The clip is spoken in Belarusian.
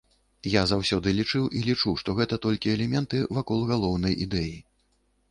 Я заўсёды лічыў і лічу, што гэта толькі элементы вакол галоўнай ідэі.